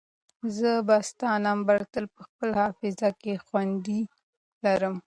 زه به ستا نمبر تل په خپل حافظه کې خوندي لرم.